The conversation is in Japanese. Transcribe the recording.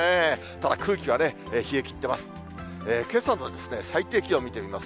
ただ、空気はね、冷え切ってます。